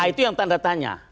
itu yang tanda tanya